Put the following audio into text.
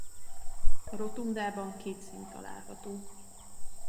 A rotundában két szint található.